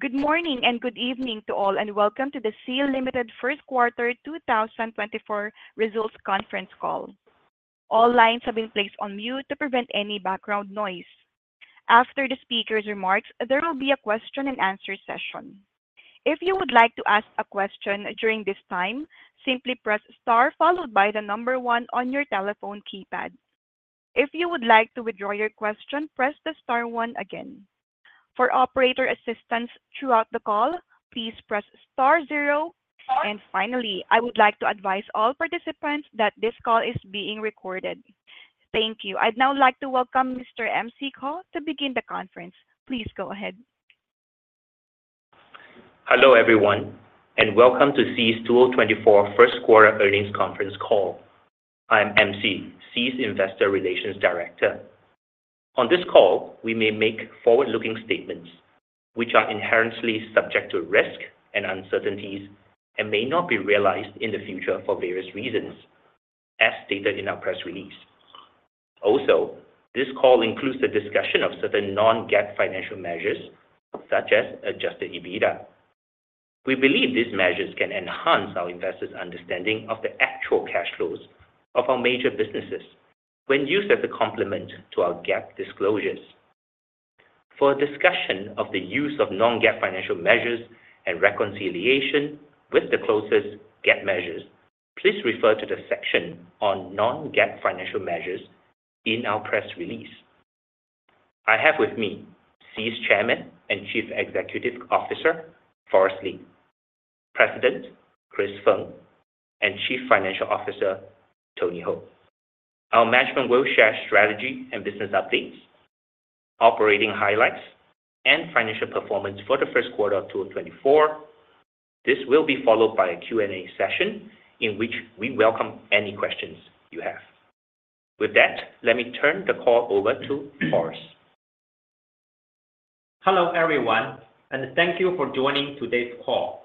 Good morning and good evening to all, and welcome to the Sea Limited First Quarter 2024 Results Conference Call. All lines have been placed on mute to prevent any background noise. After the speaker's remarks, there will be a question-and-answer session. If you would like to ask a question during this time, simply press star followed by the number one on your telephone keypad. If you would like to withdraw your question, press the star one again. For operator assistance throughout the call, please press star zero. And finally, I would like to advise all participants that this call is being recorded. Thank you. I'd now like to welcome Mr. MC Koh to begin the conference. Please go ahead. Hello everyone, and welcome to Sea's 2024 first quarter earnings conference call. I'm MC, Sea's Investor Relations Director. On this call, we may make forward-looking statements which are inherently subject to risk and uncertainties and may not be realized in the future for various reasons, as stated in our press release. Also, this call includes a discussion of certain non-GAAP financial measures such as adjusted EBITDA. We believe these measures can enhance our investors' understanding of the actual cash flows of our major businesses when used as a complement to our GAAP disclosures. For a discussion of the use of non-GAAP financial measures and reconciliation with the closest GAAP measures, please refer to the section on non-GAAP financial measures in our press release. I have with me Sea's Chairman and Chief Executive Officer, Forrest Li; President, Chris Feng; and Chief Financial Officer, Tony Hou. Our management will share strategy and business updates, operating highlights, and financial performance for the first quarter of 2024. This will be followed by a Q&A session in which we welcome any questions you have. With that, let me turn the call over to Forrest. Hello everyone, and thank you for joining today's call.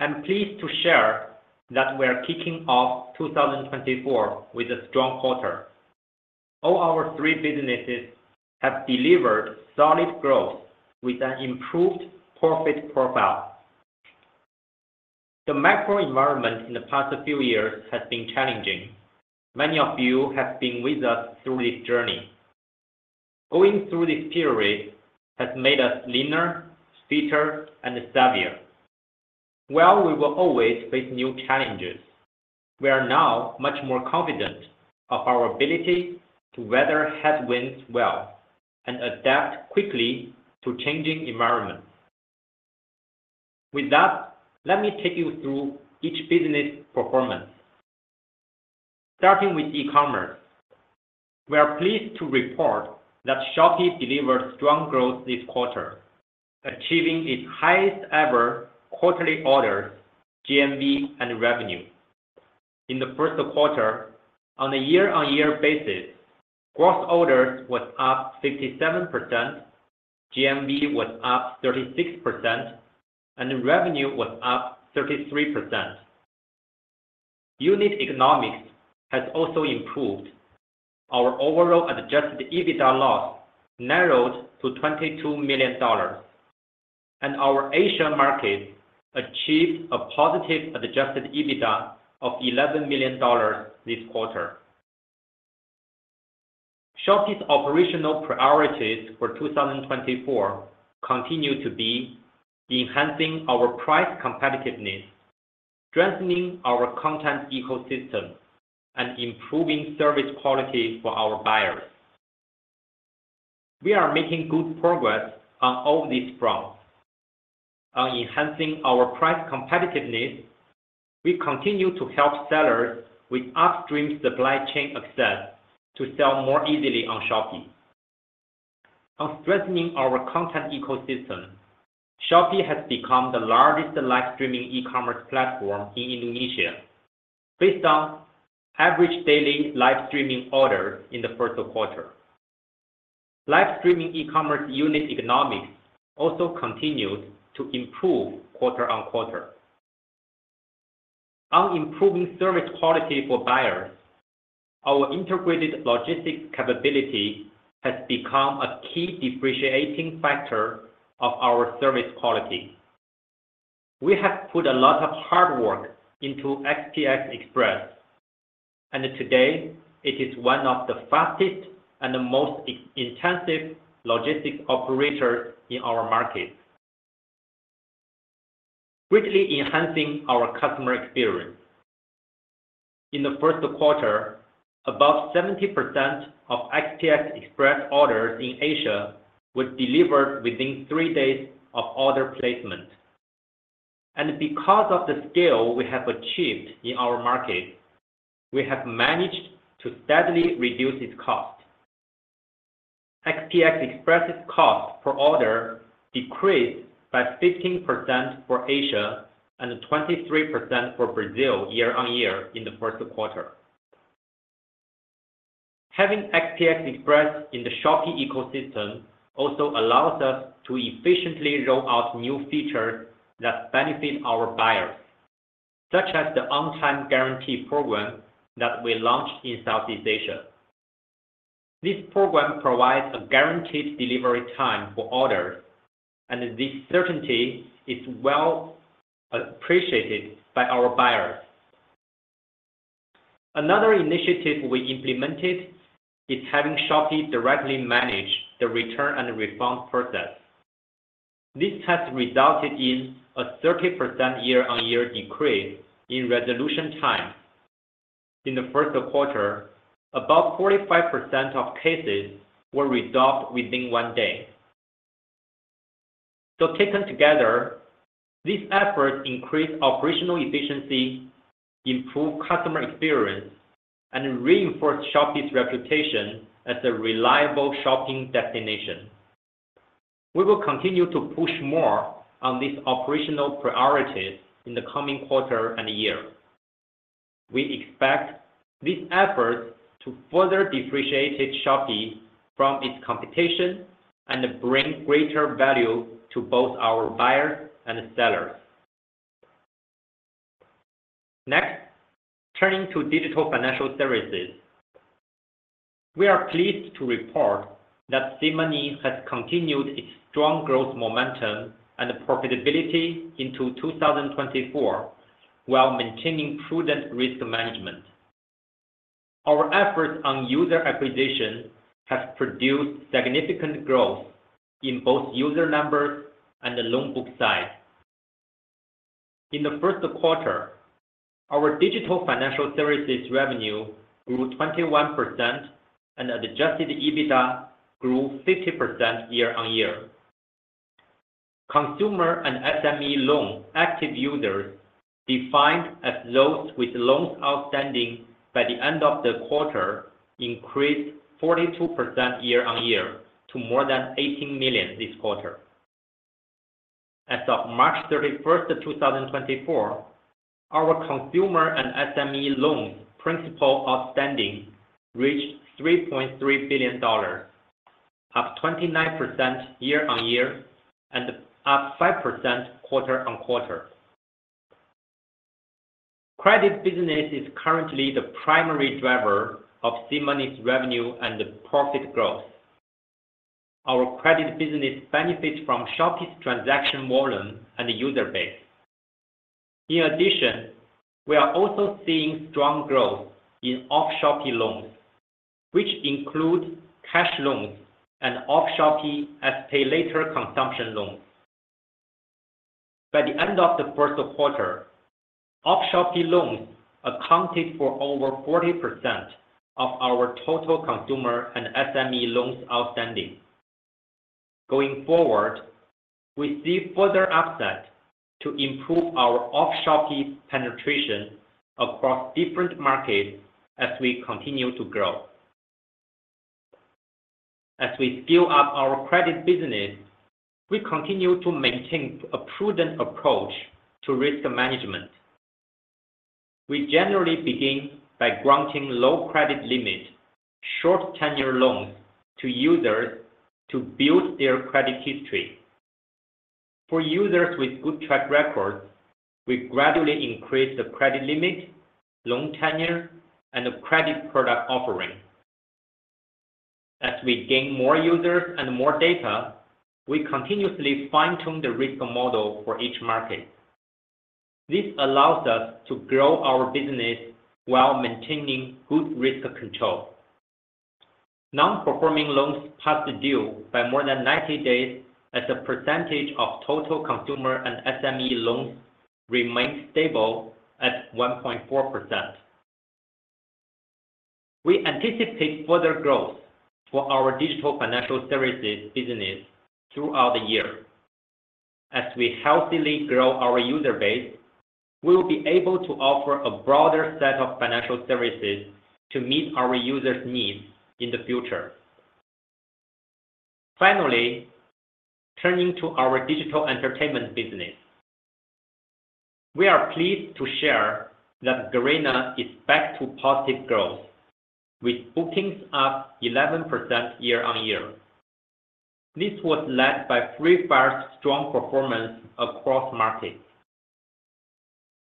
I'm pleased to share that we are kicking off 2024 with a strong quarter. All our three businesses have delivered solid growth with an improved profit profile. The macro environment in the past few years has been challenging. Many of you have been with us through this journey. Going through this period has made us leaner, fitter, and savvier. While we will always face new challenges, we are now much more confident of our ability to weather headwinds well and adapt quickly to changing environments. With that, let me take you through each business performance. Starting with e-commerce, we are pleased to report that Shopee delivered strong growth this quarter, achieving its highest-ever quarterly orders, GMV, and revenue. In the first quarter, on a year-on-year basis, gross orders were up 57%, GMV was up 36%, and revenue was up 33%. Unit economics has also improved. Our overall adjusted EBITDA loss narrowed to $22 million, and our Asia markets achieved a positive adjusted EBITDA of $11 million this quarter. Shopee's operational priorities for 2024 continue to be enhancing our price competitiveness, strengthening our content ecosystem, and improving service quality for our buyers. We are making good progress on all these fronts. On enhancing our price competitiveness, we continue to help sellers with upstream supply chain access to sell more easily on Shopee. On strengthening our content ecosystem, Shopee has become the largest live-streaming e-commerce platform in Indonesia based on average daily live-streaming orders in the first quarter. Live-streaming e-commerce unit economics also continued to improve quarter on quarter. On improving service quality for buyers, our integrated logistics capability has become a key differentiating factor of our service quality. We have put a lot of hard work into SPX Express, and today it is one of the fastest and most intensive logistics operators in our market, greatly enhancing our customer experience. In the first quarter, about 70% of SPX Express orders in Asia were delivered within three days of order placement. Because of the scale we have achieved in our market, we have managed to steadily reduce its cost. SPX Express's cost per order decreased by 15% for Asia and 23% for Brazil year-over-year in the first quarter. Having SPX Express in the Shopee ecosystem also allows us to efficiently roll out new features that benefit our buyers, such as the On-Time Guarantee program that we launched in Southeast Asia. This program provides a guaranteed delivery time for orders, and this certainty is well appreciated by our buyers. Another initiative we implemented is having Shopee directly manage the return and refund process. This has resulted in a 30% year-on-year decrease in resolution time. In the first quarter, about 45% of cases were resolved within one day. So taken together, these efforts increase operational efficiency, improve customer experience, and reinforce Shopee's reputation as a reliable shopping destination. We will continue to push more on these operational priorities in the coming quarter and year. We expect these efforts to further differentiate Shopee from its competition and bring greater value to both our buyers and sellers. Next, turning to digital financial services, we are pleased to report that SeaMoney has continued its strong growth momentum and profitability into 2024 while maintaining prudent risk management. Our efforts on user acquisition have produced significant growth in both user numbers and loan book side. In the first quarter, our digital financial services revenue grew 21%, and Adjusted EBITDA grew 50% year-on-year. Consumer and SME loan active users, defined as those with loans outstanding by the end of the quarter, increased 42% year-on-year to more than 18 million this quarter. As of March 31st, 2024, our consumer and SME loans principal outstanding reached $3.3 billion, up 29% year-on-year and up 5% quarter-on-quarter. Credit business is currently the primary driver of SeaMoney's revenue and profit growth. Our credit business benefits from Shopee's transaction volume and user base. In addition, we are also seeing strong growth in off-Shopee loans, which include cash loans and off-Shopee SPayLater consumption loans. By the end of the first quarter, off-Shopee loans accounted for over 40% of our total consumer and SME loans outstanding. Going forward, we see further upside to improve our off-Shopee penetration across different markets as we continue to grow. As we scale up our credit business, we continue to maintain a prudent approach to risk management. We generally begin by granting low credit limit, short tenure loans to users to build their credit history. For users with good track records, we gradually increase the credit limit, loan tenure, and credit product offering. As we gain more users and more data, we continuously fine-tune the risk model for each market. This allows us to grow our business while maintaining good risk control. Non-performing loans past due by more than 90 days as a percentage of total consumer and SME loans remain stable at 1.4%. We anticipate further growth for our digital financial services business throughout the year. As we healthily grow our user base, we will be able to offer a broader set of financial services to meet our users' needs in the future. Finally, turning to our digital entertainment business, we are pleased to share that Garena is back to positive growth with bookings up 11% year-over-year. This was led by Free Fire's strong performance across markets.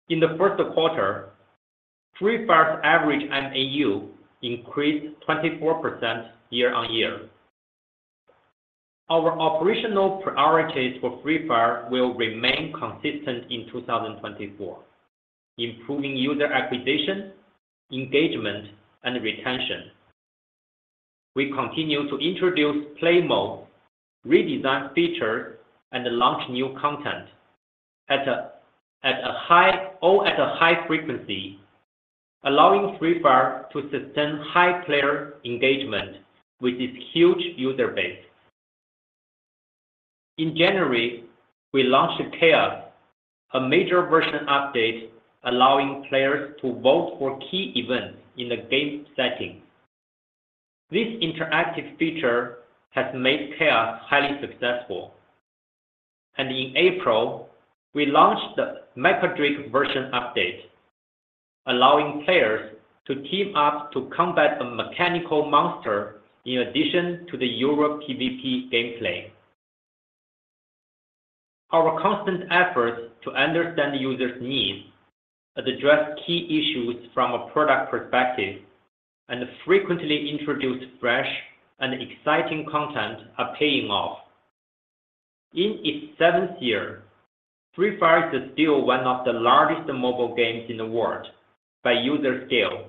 In the first quarter, Free Fire's average MAU increased 24% year-over-year. Our operational priorities for Free Fire will remain consistent in 2024, improving user acquisition, engagement, and retention. We continue to introduce play modes, redesign features, and launch new content at a high frequency, allowing Free Fire to sustain high player engagement with its huge user base. In January, we launched Chaos, a major version update allowing players to vote for key events in the game setting. This interactive feature has made Chaos highly successful. In April, we launched the Mechadrake version update, allowing players to team up to combat a mechanical monster in addition to the usual PvP gameplay. Our constant efforts to understand users' needs, address key issues from a product perspective, and frequently introduce fresh and exciting content are paying off. In its seventh year, Free Fire is still one of the largest mobile games in the world by user scale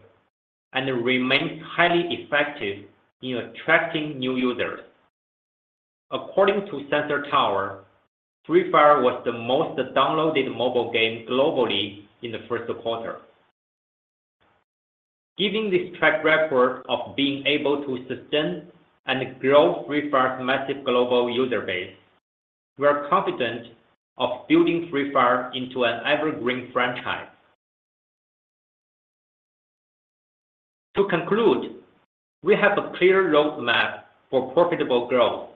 and remains highly effective in attracting new users. According to Sensor Tower, Free Fire was the most downloaded mobile game globally in the first quarter. Given this track record of being able to sustain and grow Free Fire's massive global user base, we are confident of building Free Fire into an evergreen franchise. To conclude, we have a clear roadmap for profitable growth.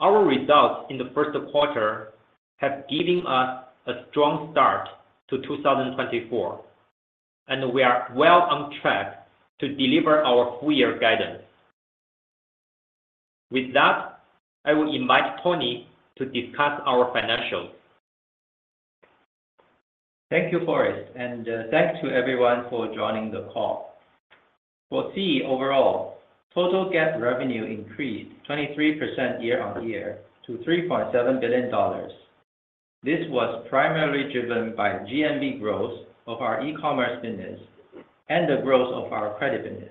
Our results in the first quarter have given us a strong start to 2024, and we are well on track to deliver our full-year guidance. With that, I will invite Tony to discuss our financials. Thank you, Forrest, and thanks to everyone for joining the call. For Sea overall, total net revenue increased 23% year-over-year to $3.7 billion. This was primarily driven by GMV growth of our e-commerce business and the growth of our credit business.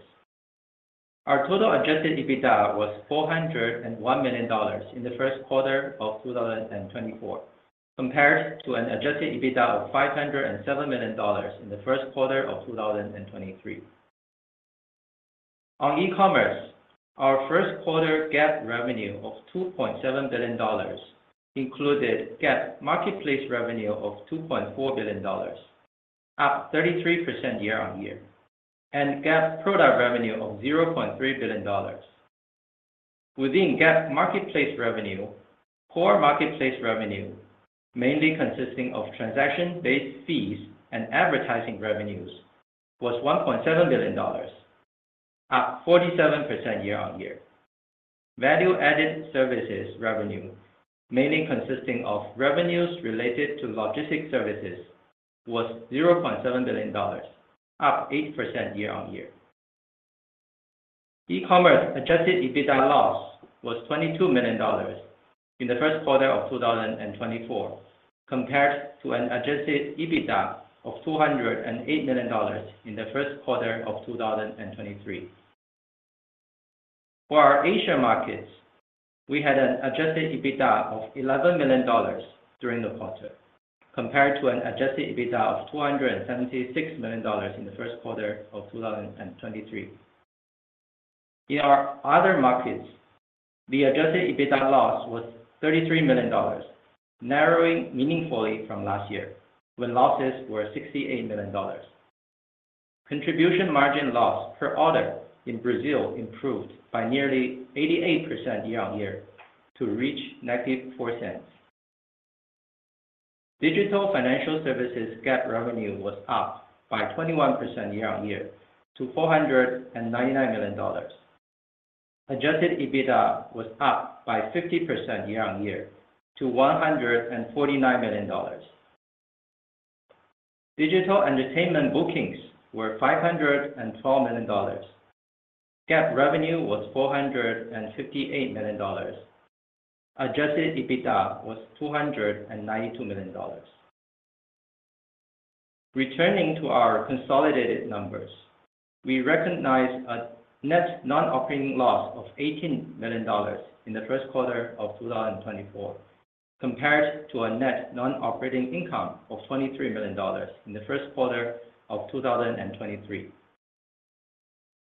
Our total adjusted EBITDA was $401 million in the first quarter of 2024 compared to an adjusted EBITDA of $507 million in the first quarter of 2023. On e-commerce, our first quarter net revenue of $2.7 billion included net marketplace revenue of $2.4 billion, up 33% year-over-year, and net product revenue of $0.3 billion. Within net marketplace revenue, core marketplace revenue, mainly consisting of transaction-based fees and advertising revenues, was $1.7 billion, up 47% year-on-year. Value-added services revenue, mainly consisting of revenues related to logistics services, was $0.7 billion, up 8% year-on-year. E-commerce adjusted EBITDA loss was $22 million in the first quarter of 2024 compared to an adjusted EBITDA of $208 million in the first quarter of 2023. For our Asia markets, we had an adjusted EBITDA of $11 million during the quarter compared to an adjusted EBITDA of $276 million in the first quarter of 2023. In our other markets, the adjusted EBITDA loss was $33 million, narrowing meaningfully from last year when losses were $68 million. Contribution margin loss per order in Brazil improved by nearly 88% year-on-year to reach -$0.04. Digital financial services net revenue was up by 21% year-on-year to $499 million. Adjusted EBITDA was up by 50% year-on-year to $149 million. Digital entertainment bookings were $512 million. Net revenue was $458 million. Adjusted EBITDA was $292 million. Returning to our consolidated numbers, we recognize a net non-operating loss of $18 million in the first quarter of 2024 compared to a net non-operating income of $23 million in the first quarter of 2023.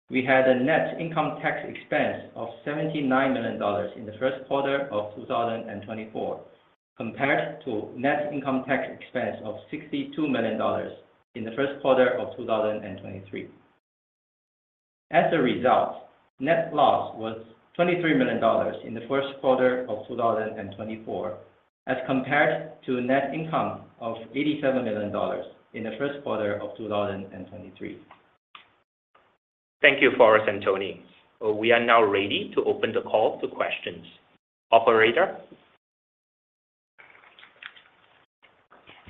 We had a net income tax expense of $79 million in the first quarter of 2024 compared to net income tax expense of $62 million in the first quarter of 2023. As a result, net loss was $23 million in the first quarter of 2024 as compared to net income of $87 million in the first quarter of 2023. Thank you, Forrest and Tony. We are now ready to open the call to questions.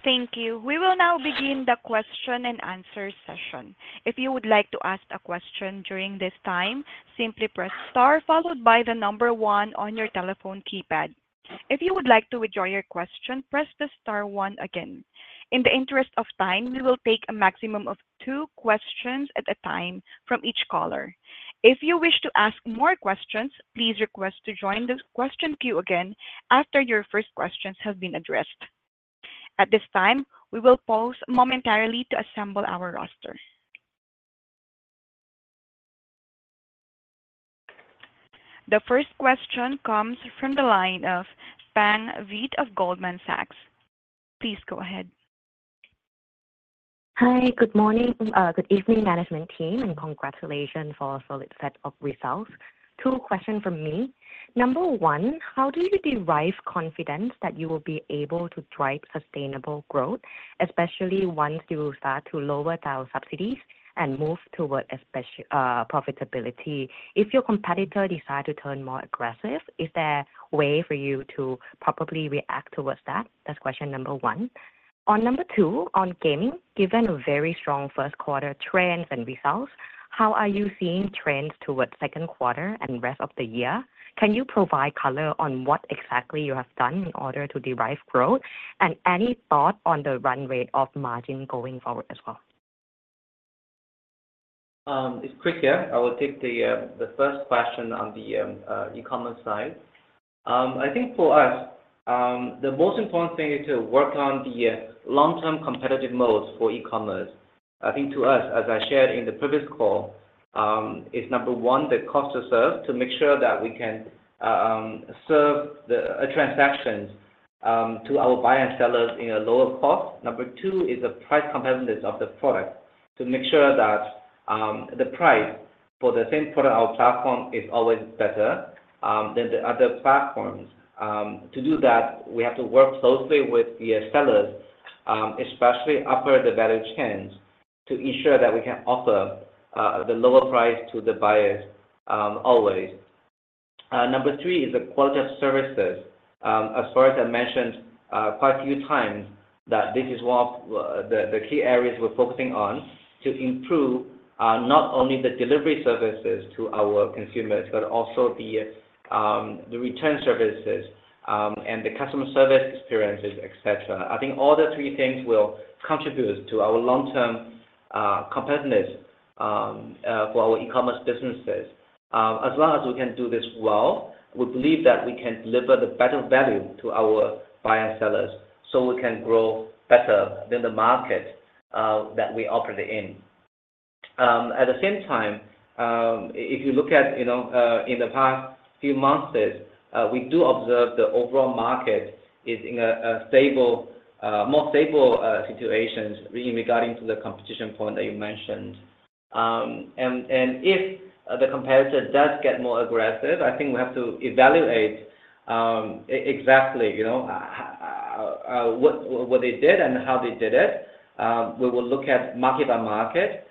Operator? Thank you. We will now begin the question and answer session. If you would like to ask a question during this time, simply press star followed by the number 1 on your telephone keypad. If you would like to withdraw your question, press the star 1 again. In the interest of time, we will take a maximum of two questions at a time from each caller. If you wish to ask more questions, please request to join the question queue again after your first questions have been addressed. At this time, we will pause momentarily to assemble our roster. The first question comes from the line of Pang Vittayaamnuaykoon of Goldman Sachs. Please go ahead. Hi, good evening, management team, and congratulations for a solid set of results. Two questions from me. Number one, how do you derive confidence that you will be able to drive sustainable growth, especially once you start to lower subsidies and move toward profitability? If your competitor decides to turn more aggressive, is there a way for you to properly react towards that? That's question number one. On number two, on gaming, given a very strong first quarter trends and results, how are you seeing trends toward second quarter and rest of the year? Can you provide color on what exactly you have done in order to derive growth, and any thought on the run rate of margin going forward as well? It's Chris here. I will take the first question on the e-commerce side. I think for us, the most important thing is to work on the long-term competitive moats for e-commerce. I think to us, as I shared in the previous call, is number one, the cost to serve, to make sure that we can serve transactions to our buyers and sellers at a lower cost. Number two is the price competitiveness of the product, to make sure that the price for the same product on our platform is always better than the other platforms. To do that, we have to work closely with the sellers, especially upper the value chains, to ensure that we can offer the lower price to the buyers always. Number three is the quality of services. As far as I mentioned quite a few times, this is one of the key areas we're focusing on, to improve not only the delivery services to our consumers, but also the return services and the customer service experiences, etc. I think all the three things will contribute to our long-term competitiveness for our e-commerce businesses. As long as we can do this well, we believe that we can deliver the better value to our buyers and sellers so we can grow better than the market that we operate in. At the same time, if you look at in the past few months, we do observe the overall market is in a more stable situation regarding to the competition point that you mentioned. And if the competitor does get more aggressive, I think we have to evaluate exactly what they did and how they did it. We will look at market by market,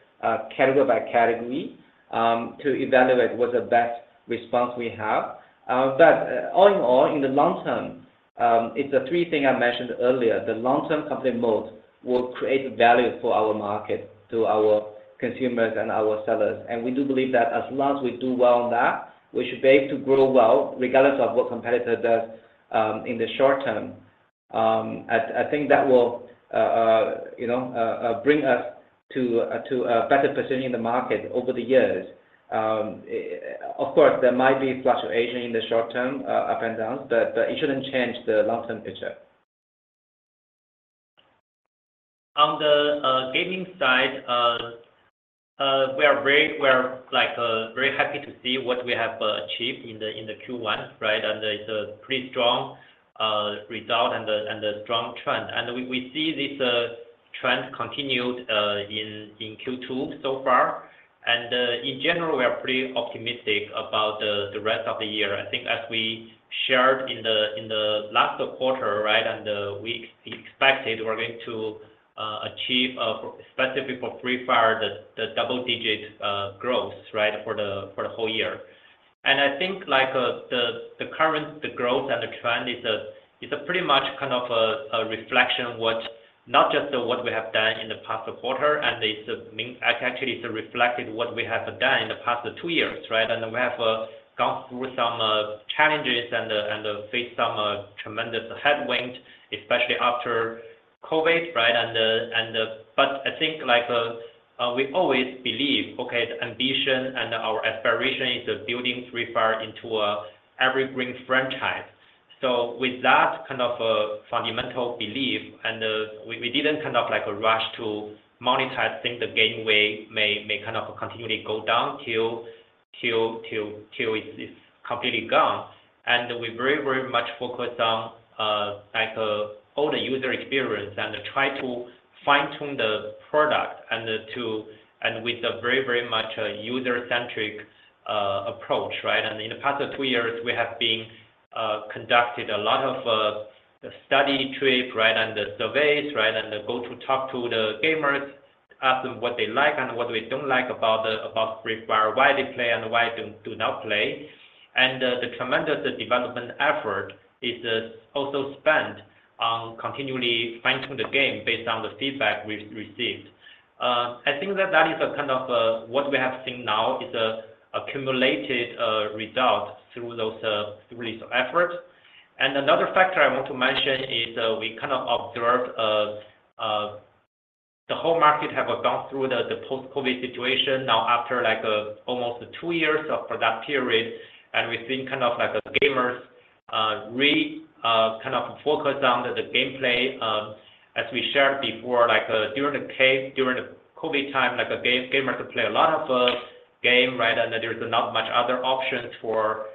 category by category, to evaluate what's the best response we have. But all in all, in the long term, it's the three things I mentioned earlier. The long-term competitive moat will create value for our market, to our consumers and our sellers. And we do believe that as long as we do well on that, we should be able to grow well regardless of what competitor does in the short term. I think that will bring us to a better position in the market over the years. Of course, there might be fluctuation in the short term, ups and downs, but it shouldn't change the long-term picture. On the gaming side, we are very happy to see what we have achieved in the Q1, right? And it's a pretty strong result and a strong trend. And we see this trend continued in Q2 so far. And in general, we are pretty optimistic about the rest of the year. I think as we shared in the last quarter, right, and we expected we're going to achieve, specifically for Free Fire, the double-digit growth, right, for the whole year. And I think the current growth and the trend is pretty much kind of a reflection of not just what we have done in the past quarter. And actually, it's reflected what we have done in the past two years, right? And we have gone through some challenges and faced some tremendous headwinds, especially after COVID, right? But I think we always believe, okay, the ambition and our aspiration is building Free Fire into an evergreen franchise. So with that kind of fundamental belief, and we didn't kind of rush to monetize, think the game may kind of continually go down till it's completely gone. And we very, very much focus on all the user experience and try to fine-tune the product with a very, very much user-centric approach, right? And in the past two years, we have conducted a lot of study trips, right, and surveys, right, and go to talk to the gamers, ask them what they like and what they don't like about Free Fire, why they play and why they do not play. And the tremendous development effort is also spent on continually fine-tuning the game based on the feedback we received. I think that that is kind of what we have seen now is accumulated results through those efforts. Another factor I want to mention is we kind of observed the whole market have gone through the post-COVID situation now after almost two years of that period. We've seen kind of gamers really kind of focus on the gameplay. As we shared before, during the COVID time, gamers play a lot of games, right? And there's not much other options for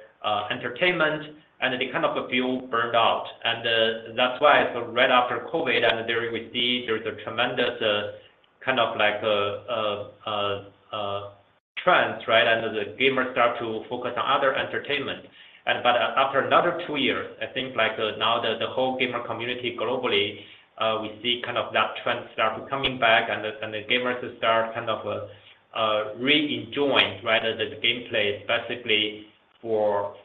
entertainment. And they kind of feel burned out. And that's why right after COVID, we see there's a tremendous kind of trend, right? And the gamers start to focus on other entertainment. But after another two years, I think now the whole gamer community globally, we see kind of that trend start coming back. And the gamers start kind of re-enjoy, right, the gameplay, specifically for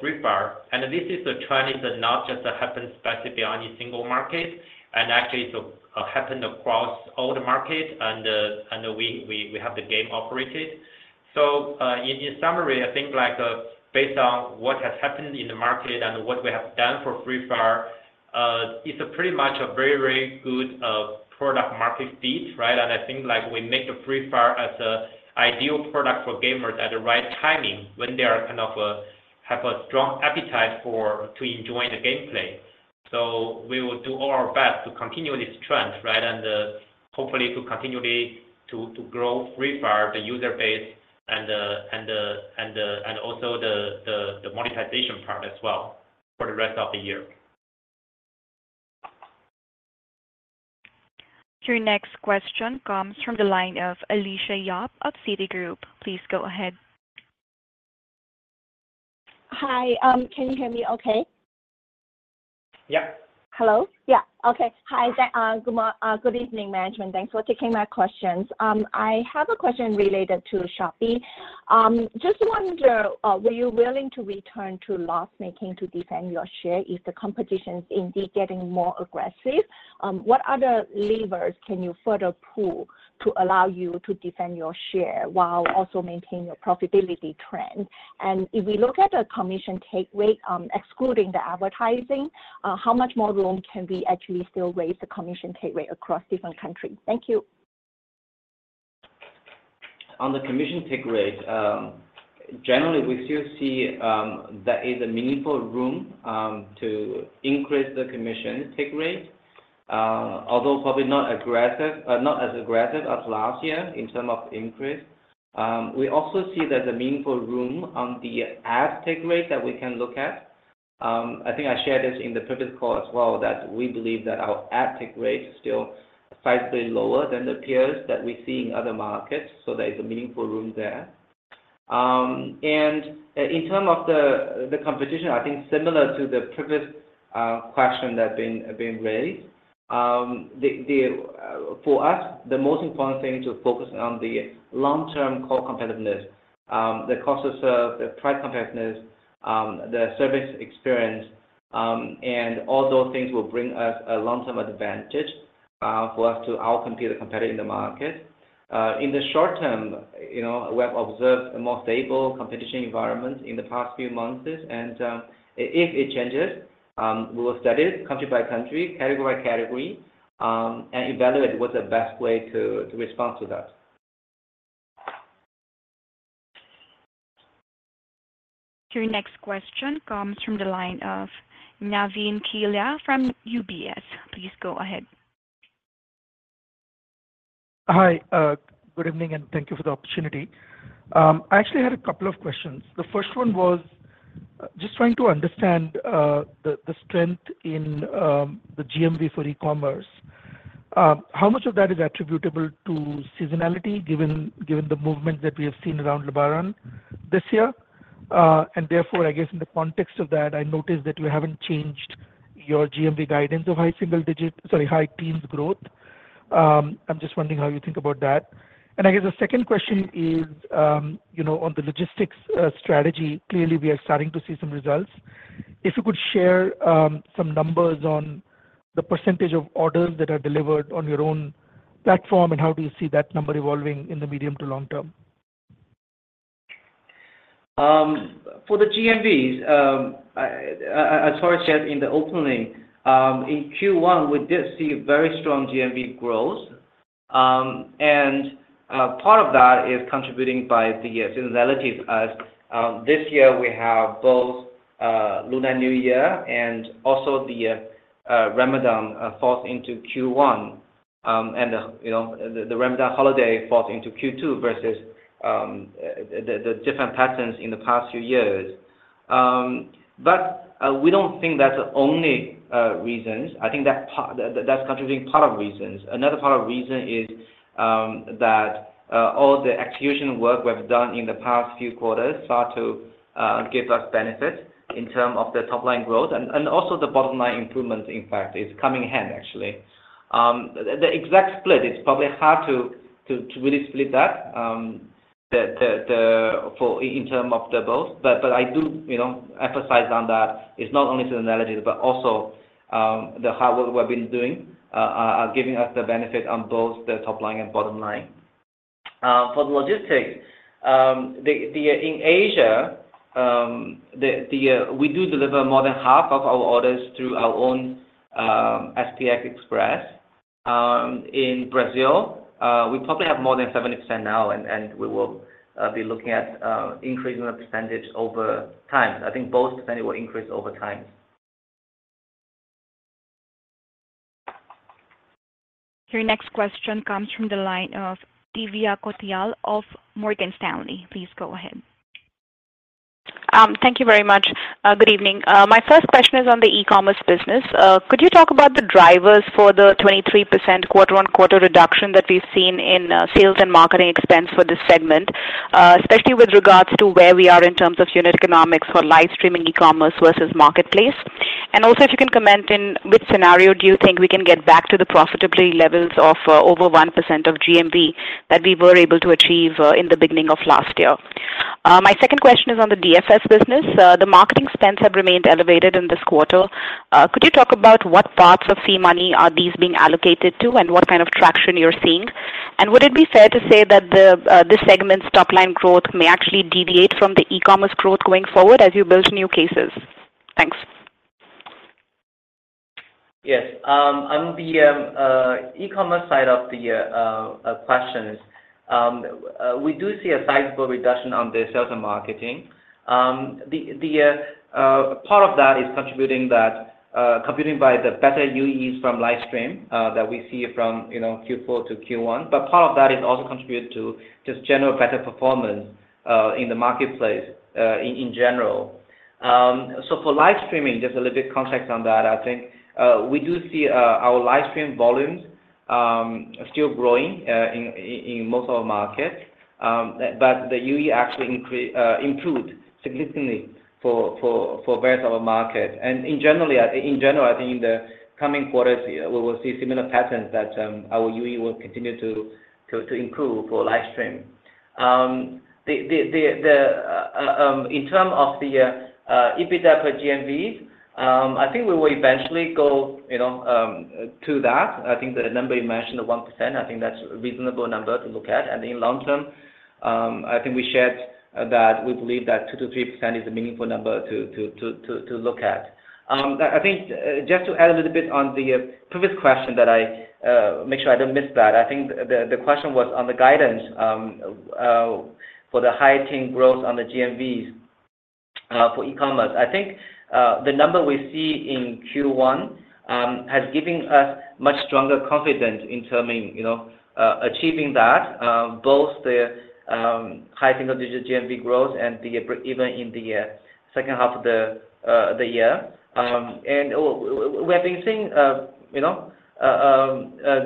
Free Fire. And this trend is not just happening specifically on a single market. Actually, it happened across all the markets. We have the game operated. In summary, I think based on what has happened in the market and what we have done for Free Fire, it's pretty much a very, very good product-market fit, right? I think we make Free Fire as an ideal product for gamers at the right timing when they kind of have a strong appetite to enjoy the gameplay. We will do all our best to continue this trend, right? Hopefully to continue to grow Free Fire, the user base, and also the monetization part as well for the rest of the year. Your next question comes from the line of Alicia Yap of Citigroup. Please go ahead. Hi. Can you hear me okay? Yep. Hello? Yeah. Okay. Hi. Good evening, management. Thanks for taking my questions. I have a question related to Shopee. Just wonder, were you willing to return to loss-making to defend your share if the competition's indeed getting more aggressive? What other levers can you further pull to allow you to defend your share while also maintaining your profitability trend? And if we look at the commission take rate, excluding the advertising, how much more room can we actually still raise the commission take rate across different countries? Thank you. On the commission take rate, generally, we still see that is a meaningful room to increase the commission take rate, although probably not as aggressive as last year in terms of increase. We also see there's a meaningful room on the ad take rate that we can look at. I think I shared this in the previous call as well, that we believe that our ad take rate is still sizably lower than the peers that we see in other markets. So there is a meaningful room there. And in terms of the competition, I think similar to the previous question that's been raised, for us, the most important thing to focus on is the long-term core competitiveness, the cost of service, the price competitiveness, the service experience. And all those things will bring us a long-term advantage for us to outcompete the competitor in the market. In the short term, we have observed a more stable competition environment in the past few months. If it changes, we will study it country by country, category by category, and evaluate what's the best way to respond to that. Your next question comes from the line of Navin Killa from UBS. Please go ahead. Hi. Good evening, and thank you for the opportunity. I actually had a couple of questions. The first one was just trying to understand the strength in the GMV for e-commerce. How much of that is attributable to seasonality, given the movement that we have seen around Lebaran this year? And therefore, I guess in the context of that, I noticed that you haven't changed your GMV guidance of high single-digit sorry, high teens growth. I'm just wondering how you think about that. And I guess the second question is on the logistics strategy. Clearly, we are starting to see some results. If you could share some numbers on the percentage of orders that are delivered on your own platform, and how do you see that number evolving in the medium to long term? For the GMVs, as far as shared in the opening, in Q1, we did see very strong GMV growth. Part of that is contributing by the seasonalities. This year, we have both Lunar New Year and also the Ramadan falls into Q1. And the Ramadan holiday falls into Q2 versus the different patterns in the past few years. But we don't think that's the only reasons. I think that's contributing part of reasons. Another part of reason is that all the execution work we've done in the past few quarters start to give us benefits in terms of the top-line growth. And also the bottom-line improvement, in fact, is coming in hand, actually. The exact split, it's probably hard to really split that in terms of both. I do emphasize on that it's not only seasonalities, but also the hard work we've been doing are giving us the benefit on both the top-line and bottom line. For the logistics, in Asia, we do deliver more than half of our orders through our own SPX Express. In Brazil, we probably have more than 70% now. We will be looking at increasing the percentage over time. I think both percentage will increase over time. Your next question comes from the line of Divya Kothiyal of Morgan Stanley. Please go ahead. Thank you very much. Good evening. My first question is on the e-commerce business. Could you talk about the drivers for the 23% quarter-on-quarter reduction that we've seen in sales and marketing expense for this segment, especially with regards to where we are in terms of unit economics for live streaming e-commerce versus marketplace? And also, if you can comment in which scenario do you think we can get back to the profitability levels of over 1% of GMV that we were able to achieve in the beginning of last year? My second question is on the DFS business. The marketing spends have remained elevated in this quarter. Could you talk about what parts of SeaMoney are these being allocated to and what kind of traction you're seeing? Would it be fair to say that this segment's top-line growth may actually deviate from the e-commerce growth going forward as you build new cases? Thanks. Yes. On the e-commerce side of the questions, we do see a sizable reduction on the sales and marketing. Part of that is contributing by the better UEs from live stream that we see from Q4 to Q1. But part of that is also contributed to just general better performance in the marketplace in general. So for live streaming, just a little bit of context on that, I think we do see our live stream volumes still growing in most of our markets. But the UE actually improved significantly for various other markets. And in general, I think in the coming quarters, we will see similar patterns that our UE will continue to improve for live stream. In terms of the EBITDA per GMVs, I think we will eventually go to that. I think the number you mentioned, the 1%, I think that's a reasonable number to look at. In long term, I think we shared that we believe that 2%-3% is a meaningful number to look at. I think just to add a little bit on the previous question that I make sure I don't miss that, I think the question was on the guidance for the high teen growth on the GMVs for e-commerce. I think the number we see in Q1 has given us much stronger confidence in achieving that, both the high single-digit GMV growth and even in the second half of the year. We have been seeing a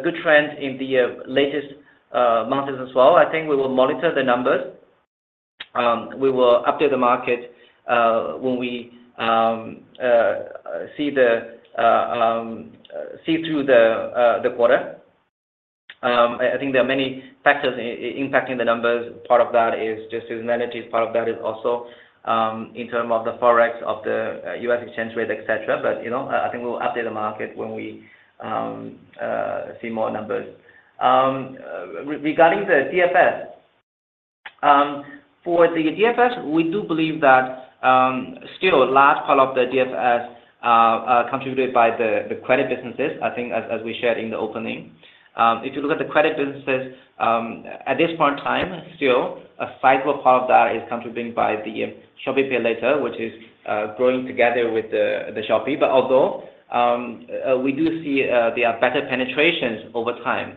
good trend in the latest months as well. I think we will monitor the numbers. We will update the market when we see through the quarter. I think there are many factors impacting the numbers. Part of that is just seasonality. Part of that is also in terms of the forex, of the U.S. exchange rate, etc. But I think we'll update the market when we see more numbers. Regarding the DFS, for the DFS, we do believe that still a large part of the DFS is contributed by the credit businesses, I think, as we shared in the opening. If you look at the credit businesses, at this point in time, still a sizable part of that is contributing by the Shopee PayLater, which is growing together with the Shopee. But although we do see there are better penetrations over time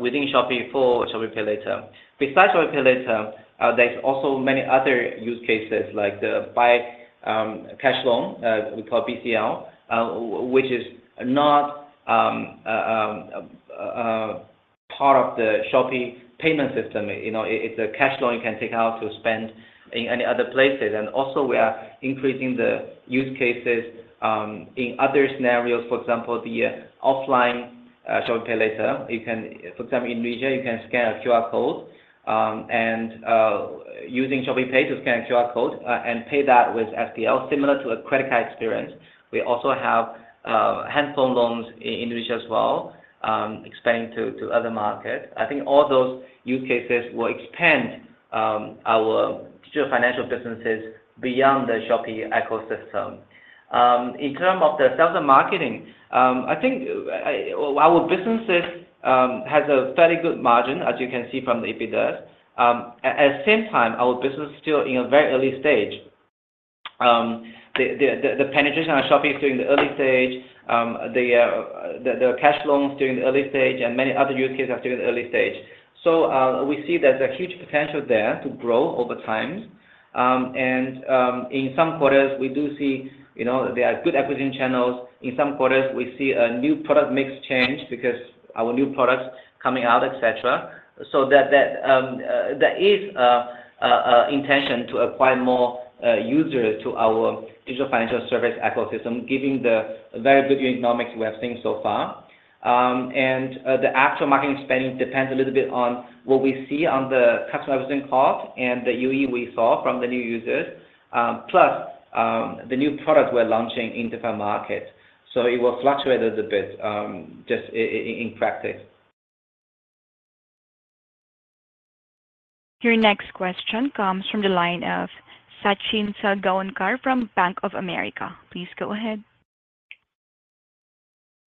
within Shopee for Shopee PayLater. Besides Shopee PayLater, there's also many other use cases like the Buy Cash Loan, we call BCL, which is not part of the Shopee payment system. It's a cash loan you can take out to spend in any other places. Also, we are increasing the use cases in other scenarios. For example, the offline Shopee PayLater, for example, in Indonesia, you can scan a QR code. Using ShopeePay to scan a QR code and pay that with SPL, similar to a credit card experience. We also have handphone loans in Indonesia as well, expanding to other markets. I think all those use cases will expand our digital financial businesses beyond the Shopee ecosystem. In terms of the sales and marketing, I think our businesses have a fairly good margin, as you can see from the EBITDAs. At the same time, our business is still in a very early stage. The penetration on Shopee is still in the early stage. The cash loan is still in the early stage. Many other use cases are still in the early stage. We see there's a huge potential there to grow over time. In some quarters, we do see there are good acquisition channels. In some quarters, we see a new product mix change because our new products are coming out, etc. There is an intention to acquire more users to our digital financial service ecosystem, given the very good economics we have seen so far. The actual marketing spending depends a little bit on what we see on the customer acquisition cost and the UE we saw from the new users, plus the new product we're launching in different markets. It will fluctuate a little bit just in practice. Your next question comes from the line of Sachin Salgaonkar from Bank of America. Please go ahead.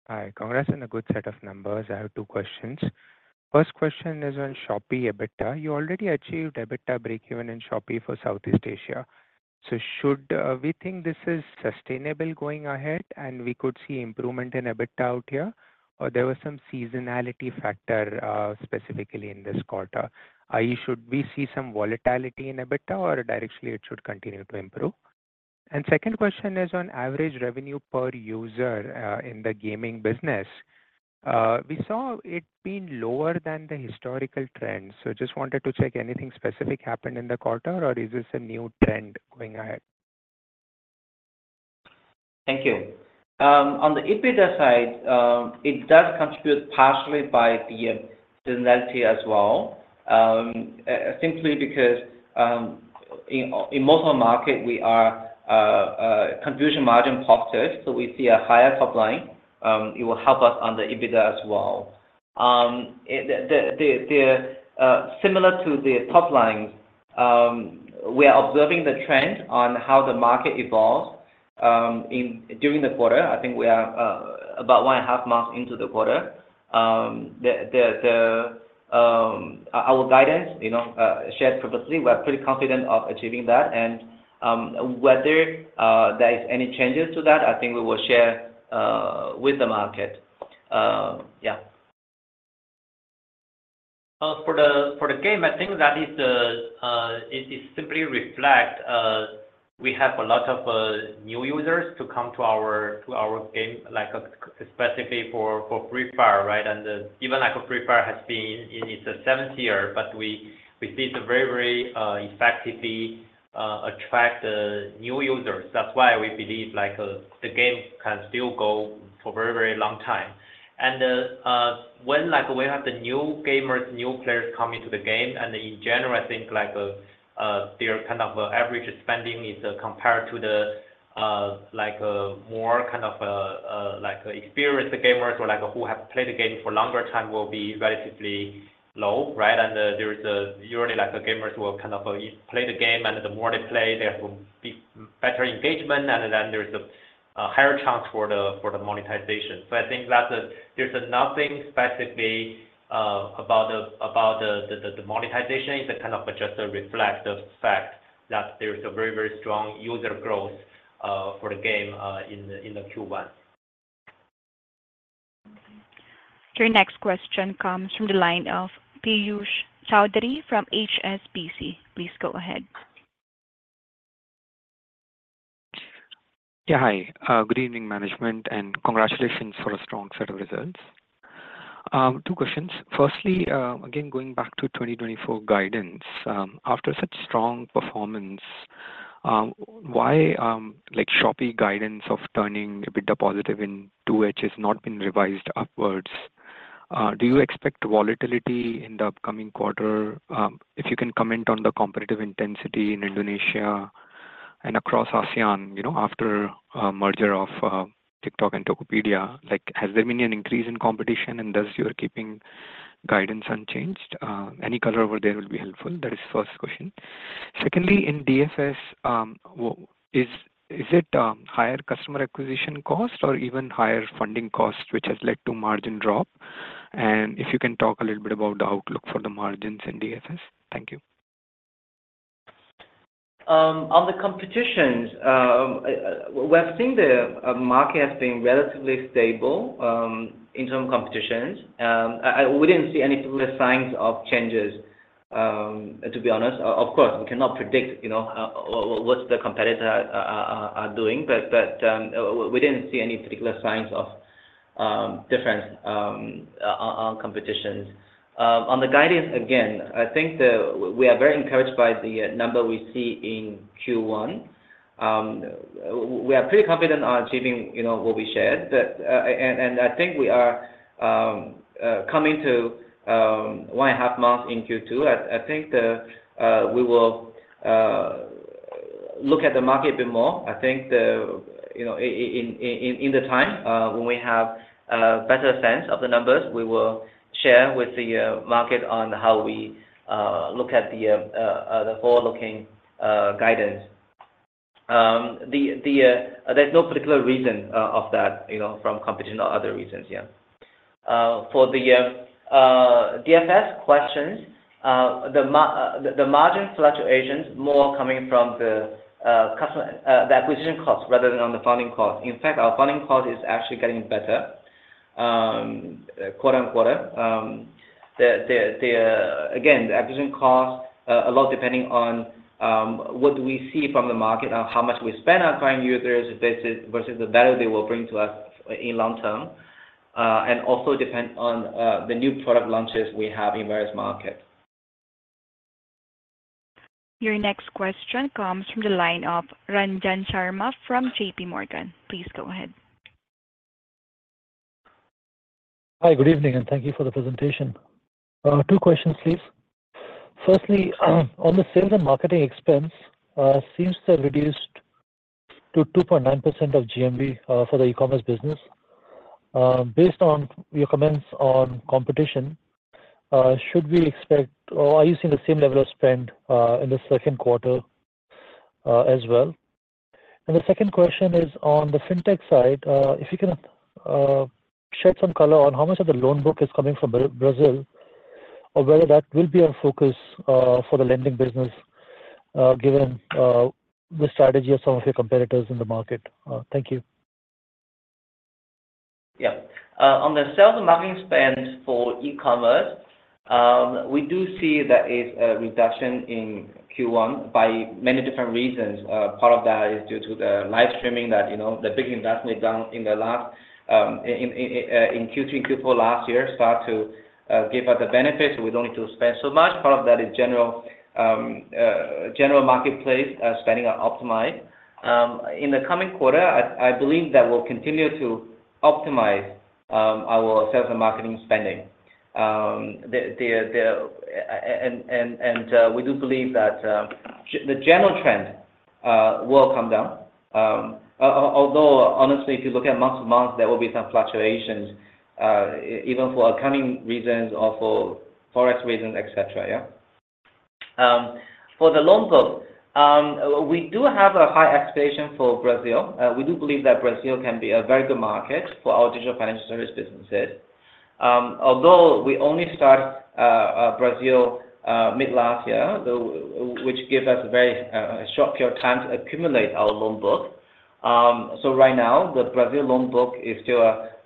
Hi. Congrats on a good set of numbers. I have two questions. First question is on Shopee EBITDA. You already achieved EBITDA break-even in Shopee for Southeast Asia. So should we think this is sustainable going ahead and we could see improvement in EBITDA out here, or there was some seasonality factor specifically in this quarter? Should we see some volatility in EBITDA, or directly, it should continue to improve? And second question is on average revenue per user in the gaming business. We saw it being lower than the historical trend. So just wanted to check, anything specific happened in the quarter, or is this a new trend going ahead? Thank you. On the EBITDA side, it does contribute partially by the seasonality as well, simply because in most of our market, we are contribution margin positive. So we see a higher top line. It will help us on the EBITDA as well. Similar to the top lines, we are observing the trend on how the market evolves during the quarter. I think we are about one and a half months into the quarter. Our guidance, shared previously, we are pretty confident of achieving that. And whether there are any changes to that, I think we will share with the market. Yeah. For the game, I think that it simply reflects we have a lot of new users to come to our game, especially for Free Fire, right? Even Free Fire has been in its seventh year, but we see it very, very effectively attract new users. That's why we believe the game can still go for a very, very long time. When we have the new gamers, new players coming to the game, and in general, I think their kind of average spending is compared to the more kind of experienced gamers or who have played the game for a longer time will be relatively low, right? Usually, gamers will kind of play the game, and the more they play, there will be better engagement. Then there's a higher chance for the monetization. So I think there's nothing specifically about the monetization. It's kind of just a reflection of the fact that there's a very, very strong user growth for the game in the Q1. Your next question comes from the line of Piyush Choudhary from HSBC. Please go ahead. Yeah. Hi. Good evening, management. And congratulations for a strong set of results. Two questions. Firstly, again, going back to 2024 guidance, after such strong performance, why Shopee guidance of turning EBITDA positive in 2H has not been revised upwards? Do you expect volatility in the upcoming quarter? If you can comment on the competitive intensity in Indonesia and across ASEAN after the merger of TikTok and Tokopedia, has there been an increase in competition, and does your keeping guidance unchanged? Any color over there will be helpful. That is the first question. Secondly, in DFS, is it higher customer acquisition cost or even higher funding cost, which has led to margin drop? And if you can talk a little bit about the outlook for the margins in DFS? Thank you. On the competitions, we have seen the market has been relatively stable in terms of competitions. We didn't see any particular signs of changes, to be honest. Of course, we cannot predict what the competitors are doing, but we didn't see any particular signs of difference on competitions. On the guidance, again, I think we are very encouraged by the number we see in Q1. We are pretty confident on achieving what we shared. And I think we are coming to 1.5 months in Q2. I think we will look at the market a bit more. I think in the time when we have a better sense of the numbers, we will share with the market on how we look at the forward-looking guidance. There's no particular reason of that from competition or other reasons. Yeah. For the DFS questions, the margin fluctuations are more coming from the acquisition cost rather than on the funding cost. In fact, our funding cost is actually getting better quarter-over-quarter. Again, the acquisition cost, a lot depending on what do we see from the market, how much we spend on acquiring users versus the value they will bring to us in long term, and also depend on the new product launches we have in various markets. Your next question comes from the line of Ranjan Sharma from JPMorgan. Please go ahead. Hi. Good evening. Thank you for the presentation. Two questions, please. Firstly, on the sales and marketing expense, it seems they're reduced to 2.9% of GMV for the e-commerce business. Based on your comments on competition, should we expect or are you seeing the same level of spend in the second quarter as well? The second question is on the fintech side, if you can shed some color on how much of the loan book is coming from Brazil or whether that will be a focus for the lending business given the strategy of some of your competitors in the market. Thank you. Yeah. On the sales and marketing spend for e-commerce, we do see there is a reduction in Q1 by many different reasons. Part of that is due to the live streaming that the big investment we've done in Q3 and Q4 last year started to give us the benefits, so we don't need to spend so much. Part of that is general marketplace spending optimized. In the coming quarter, I believe that we'll continue to optimize our sales and marketing spending. And we do believe that the general trend will come down. Although, honestly, if you look at month-to-month, there will be some fluctuations even for upcoming reasons or for Forex reasons, etc. Yeah. For the loan book, we do have a high expectation for Brazil. We do believe that Brazil can be a very good market for our digital financial service businesses. Although we only started Brazil mid-last year, which gives us a very short period of time to accumulate our loan book. So right now, the Brazil loan book is still,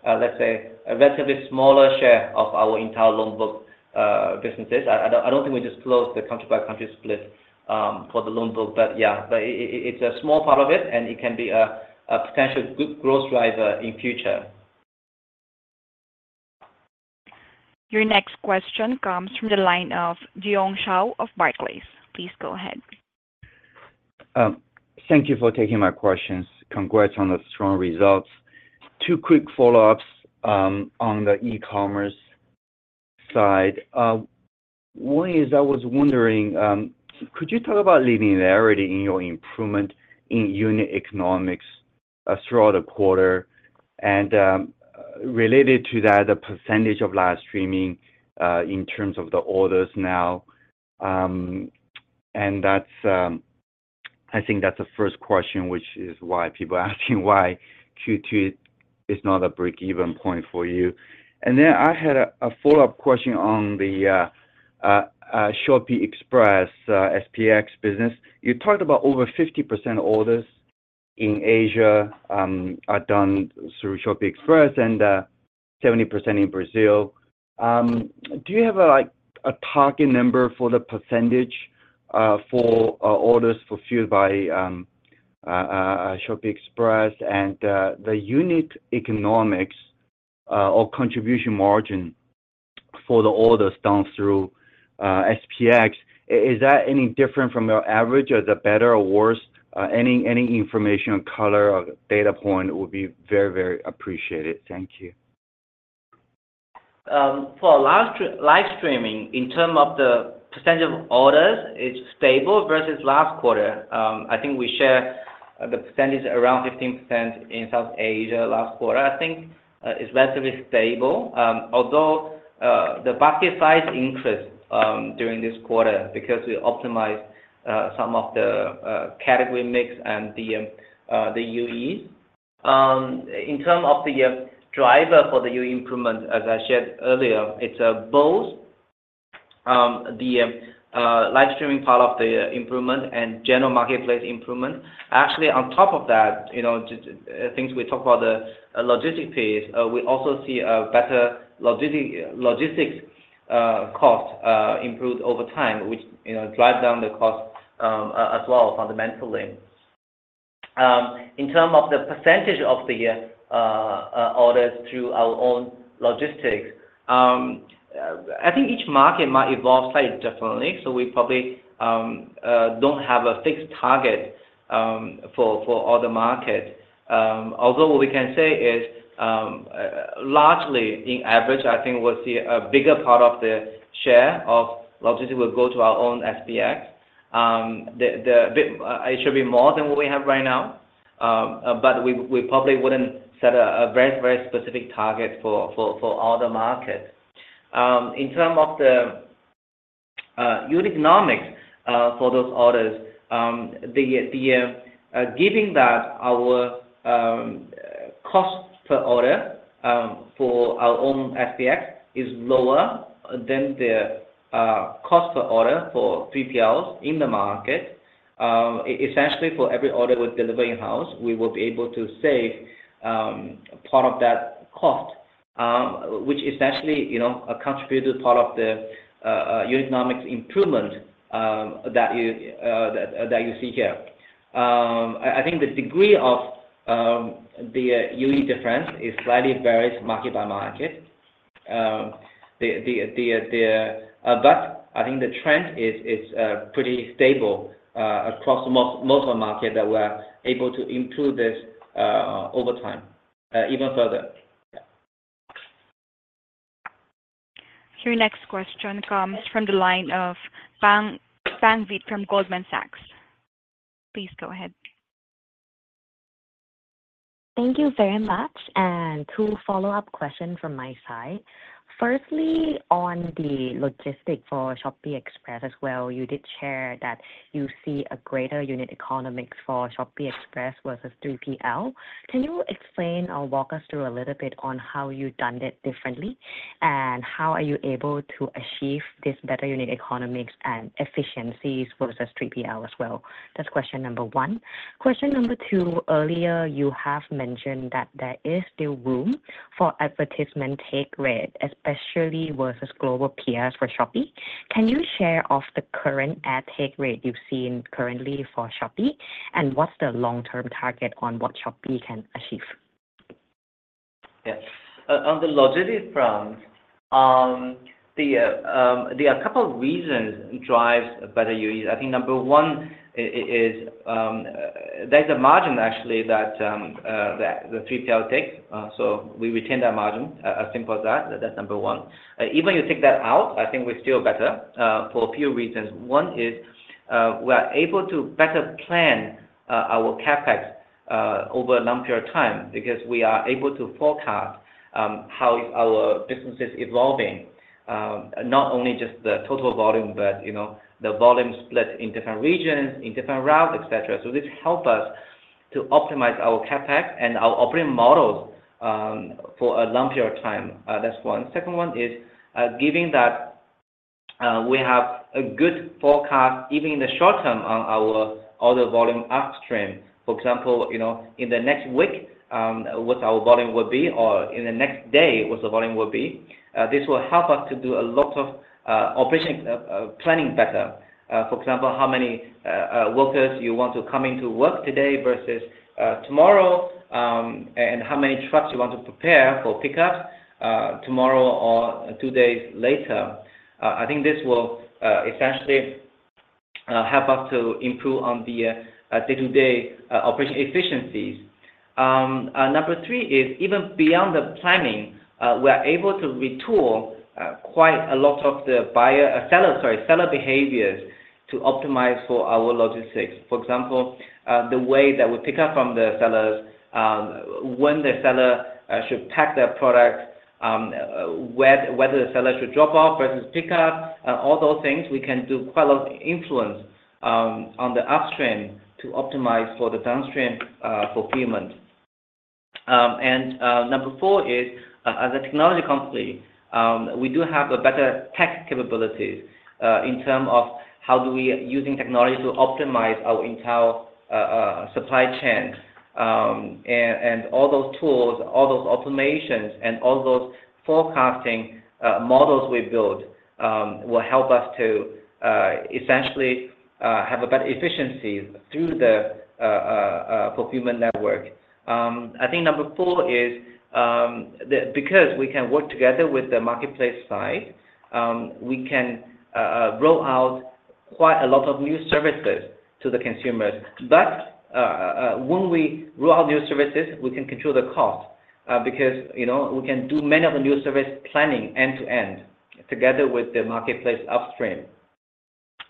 let's say, a relatively smaller share of our entire loan book businesses. I don't think we just closed the country-by-country split for the loan book. But yeah, it's a small part of it, and it can be a potential good growth driver in future. Your next question comes from the line of Jiong Shao of Barclays. Please go ahead. Thank you for taking my questions. Congrats on the strong results. Two quick follow-ups on the e-commerce side. One is I was wondering, could you talk about linearity in your improvement in unit economics throughout the quarter? And related to that, the percentage of live streaming in terms of the orders now. And I think that's the first question, which is why people are asking why Q2 is not a break-even point for you. And then I had a follow-up question on the Shopee Express SPX business. You talked about over 50% of orders in Asia are done through Shopee Express and 70% in Brazil. Do you have a target number for the percentage for orders fulfilled by Shopee Express and the unit economics or contribution margin for the orders done through SPX? Is that any different from your average, or is that better or worse? Any information or color or data point would be very, very appreciated. Thank you. For live streaming, in terms of the percentage of orders, it's stable versus last quarter. I think we share the percentage around 15% in Southeast Asia last quarter. I think it's relatively stable, although the basket size increased during this quarter because we optimized some of the category mix and the UEs. In terms of the driver for the UE improvement, as I shared earlier, it's both the live streaming part of the improvement and general marketplace improvement. Actually, on top of that, since we talked about the logistics piece, we also see a better logistics cost improved over time, which drives down the cost as well fundamentally. In terms of the percentage of the orders through our own logistics, I think each market might evolve slightly differently. So we probably don't have a fixed target for all the markets. Although what we can say is, largely, on average, I think we'll see a bigger part of the share of logistics will go to our own SPX. It should be more than what we have right now, but we probably wouldn't set a very, very specific target for all the markets. In terms of the unit economics for those orders, given that our cost per order for our own SPX is lower than the cost per order for 3PLs in the market, essentially, for every order we deliver in-house, we will be able to save part of that cost, which essentially contributes part of the unit economics improvement that you see here. I think the degree of the UE difference is slightly varies market by market. But I think the trend is pretty stable across most of the market that we're able to improve this over time even further. Yeah. Your next question comes from the line of Pang Vittayaamnuaykoon from Goldman Sachs. Please go ahead. Thank you very much. Two follow-up questions from my side. Firstly, on the logistics for Shopee Express as well, you did share that you see a greater unit economics for Shopee Express versus 3PL. Can you explain or walk us through a little bit on how you've done it differently, and how are you able to achieve this better unit economics and efficiencies versus 3PL as well? That's question number one. Question number two, earlier, you have mentioned that there is still room for advertisement take rate, especially versus global peers for Shopee. Can you share the current ad take rate you've seen currently for Shopee, and what's the long-term target on what Shopee can achieve? Yeah. On the logistics front, there are a couple of reasons that drive better UEs. I think number one, there's a margin, actually, that the 3PL takes. So we retain that margin, as simple as that. That's number one. Even if you take that out, I think we're still better for a few reasons. One is we are able to better plan our CapEx over a long period of time because we are able to forecast how our business is evolving, not only just the total volume but the volume split in different regions, in different routes, etc. So this helps us to optimize our CapEx and our operating models for a long period of time. That's one. Second one is given that we have a good forecast even in the short term on our order volume upstream. For example, in the next week, what our volume will be or in the next day, what the volume will be, this will help us to do a lot of operation planning better. For example, how many workers you want to come into work today versus tomorrow, and how many trucks you want to prepare for pickups tomorrow or two days later. I think this will essentially help us to improve on the day-to-day operation efficiencies. Number three is even beyond the planning, we are able to retool quite a lot of the buyer sorry, seller behaviors to optimize for our logistics. For example, the way that we pick up from the sellers, when the seller should pack their product, whether the seller should drop off versus pick up, all those things, we can do quite a lot of influence on the upstream to optimize for the downstream fulfillment. Number four is, as a technology company, we do have better tech capabilities in terms of how do we use technology to optimize our entire supply chain. All those tools, all those automations, and all those forecasting models we build will help us to essentially have better efficiencies through the fulfillment network. I think number four is because we can work together with the marketplace side, we can roll out quite a lot of new services to the consumers. But when we roll out new services, we can control the cost because we can do many of the new service planning end-to-end together with the marketplace upstream.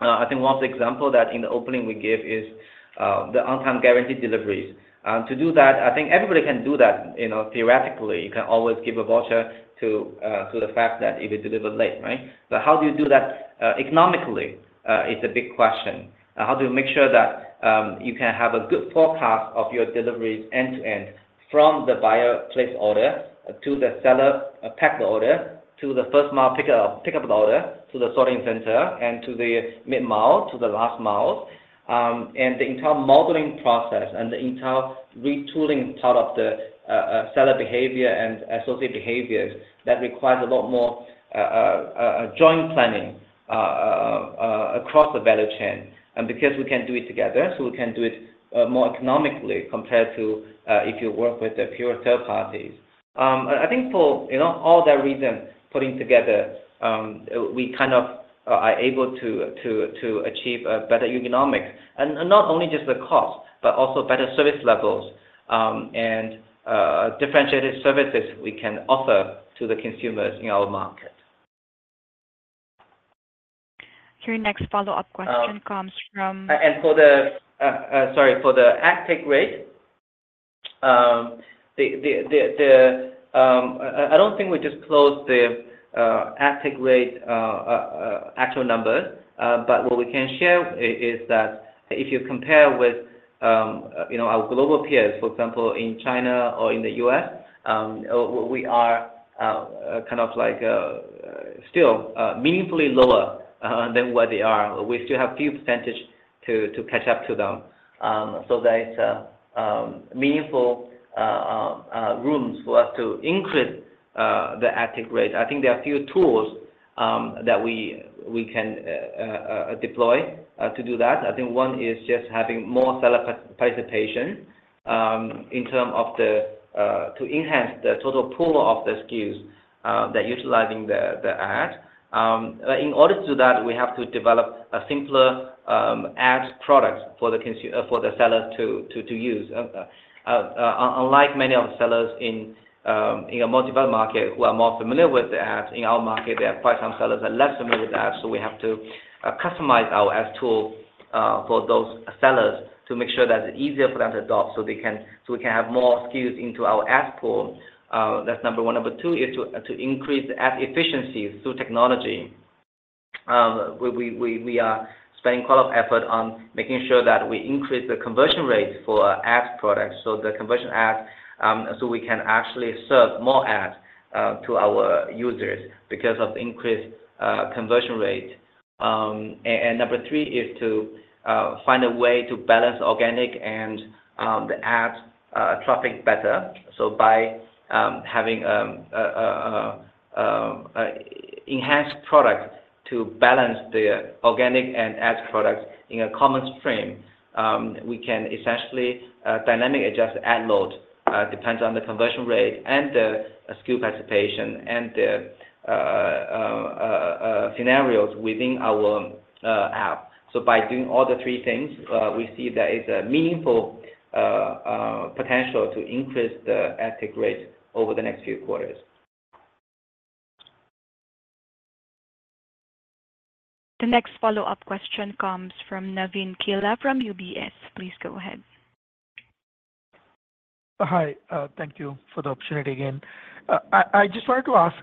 I think one of the examples that in the opening we give is the On-Time Guarantee deliveries. To do that, I think everybody can do that theoretically. You can always give a voucher to the fact that if you deliver late. Right? But how do you do that economically is a big question. How do you make sure that you can have a good forecast of your deliveries end-to-end from the buyer place order to the seller pack the order to the first-mile pickup order to the sorting center and to the mid-mile to the last miles? And the entire modeling process and the entire retooling part of the seller behavior and associate behaviors, that requires a lot more joint planning across the value chain. Because we can do it together, so we can do it more economically compared to if you work with the pure third parties. I think for all that reason putting together, we kind of are able to achieve better unit economics and not only just the cost but also better service levels and differentiated services we can offer to the consumers in our market. Your next follow-up question comes from. For the ad take rate, I don't think we just closed the ad take rate actual numbers. But what we can share is that if you compare with our global peers, for example, in China or in the U.S., we are kind of still meaningfully lower than where they are. We still have a few percentage to catch up to them. So there's meaningful rooms for us to increase the ad take rate. I think there are a few tools that we can deploy to do that. I think one is just having more seller participation in terms of to enhance the total pool of the SKUs that are utilizing the ad. But in order to do that, we have to develop a simpler ad product for the sellers to use. Unlike many of the sellers in a multi-developed market who are more familiar with the ad, in our market, there are quite some sellers that are less familiar with the ad. So we have to customize our ad tool for those sellers to make sure that it's easier for them to adopt so we can have more SKUs into our ad pool. That's number one. Number two is to increase the ad efficiencies through technology. We are spending quite a lot of effort on making sure that we increase the conversion rate for ad products so the conversion ad so we can actually serve more ads to our users because of the increased conversion rate. And number three is to find a way to balance organic and the ad traffic better. By having an enhanced product to balance the organic and ad products in a common stream, we can essentially dynamically adjust ad load depends on the conversion rate and the SKU participation and the scenarios within our app. By doing all the three things, we see there is a meaningful potential to increase the ad take rate over the next few quarters. The next follow-up question comes from Navin Killa from UBS. Please go ahead. Hi. Thank you for the opportunity again. I just wanted to ask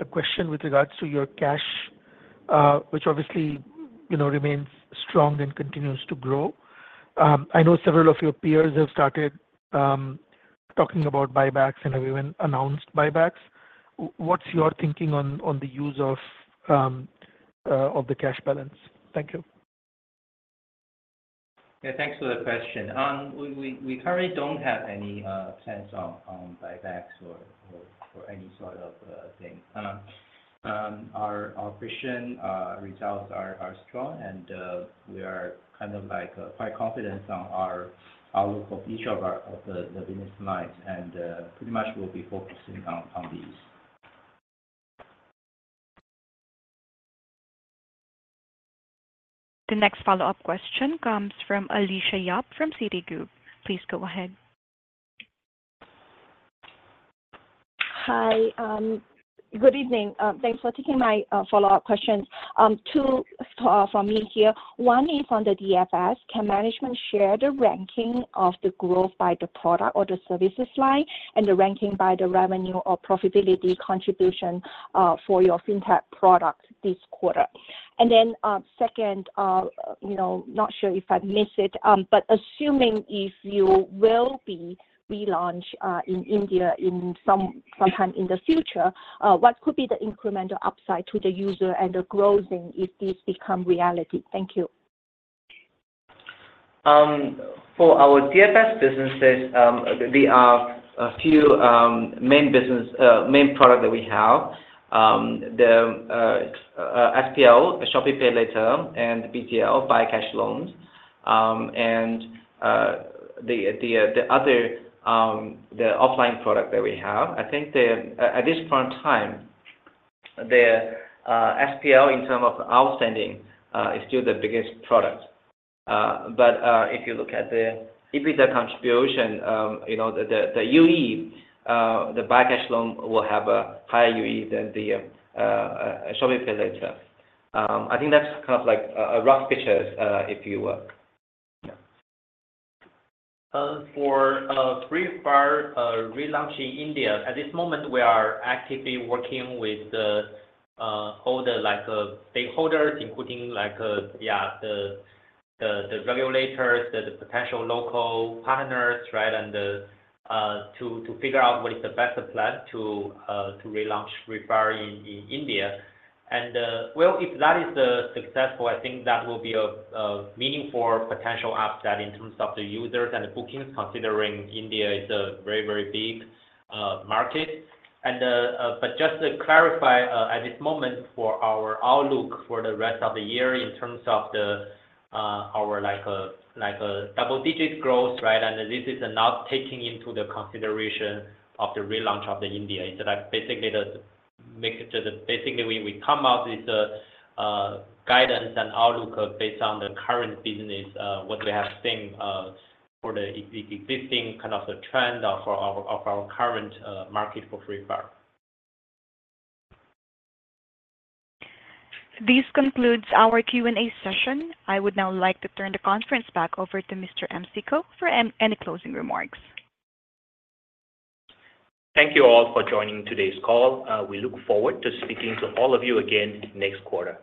a question with regards to your cash, which obviously remains strong and continues to grow. I know several of your peers have started talking about buybacks and have even announced buybacks. What's your thinking on the use of the cash balance? Thank you. Yeah. Thanks for the question. We currently don't have any plans on buybacks or any sort of thing. Our operation results are strong, and we are kind of quite confident on our outlook of each of the business lines. Pretty much, we'll be focusing on these. The next follow-up question comes from Alicia Yap from Citigroup. Please go ahead. Hi. Good evening. Thanks for taking my follow-up questions. Two from me here. One is on the DFS. Can management share the ranking of the growth by the product or the services line and the ranking by the revenue or profitability contribution for your fintech product this quarter? And then second, not sure if I missed it, but assuming if you will be relaunched in India sometime in the future, what could be the incremental upside to the user and the growth if this becomes reality? Thank you. For our DFS businesses, there are a few main products that we have: the SPL, Shopee PayLater, and BCL, Buy Cash Loan. The other offline product that we have, I think at this current time, the SPL in terms of outstanding is still the biggest product. If you look at the EBITDA contribution, the UE, the Buy Cash Loan will have a higher UE than the Shopee PayLater. I think that's kind of a rough picture if you were. Yeah. For Free Fire relaunching in India, at this moment, we are actively working with all the stakeholders, including, yeah, the regulators, the potential local partners, right, to figure out what is the best plan to relaunch Free Fire in India. And well, if that is successful, I think that will be a meaningful potential upside in terms of the users and the bookings considering India is a very, very big market. But just to clarify at this moment for our outlook for the rest of the year in terms of our double-digit growth, right, and this is not taking into consideration of the relaunch in India. It's basically, we come out with guidance and outlook based on the current business, what we have seen for the existing kind of trend of our current market for Free Fire. This concludes our Q&A session. I would now like to turn the conference back over to Mr. MC Koh for any closing remarks. Thank you all for joining today's call. We look forward to speaking to all of you again next quarter.